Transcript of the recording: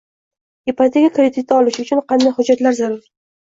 Ipoteka krediti olish uchun qanday hujjatlar zarur?